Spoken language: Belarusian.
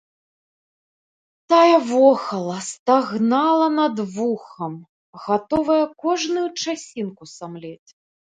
Тая вохала, стагнала над вухам, гатовая кожную часінку самлець.